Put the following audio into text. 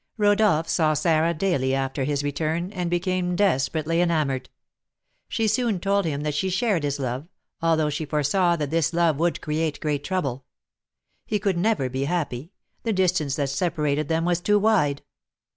Rodolph saw Sarah daily after his return, and became desperately enamoured. She soon told him that she shared his love, although she foresaw that this love would create great trouble. He could never be happy; the distance that separated them was too wide!